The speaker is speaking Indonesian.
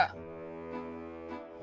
namanya juga lagi puasa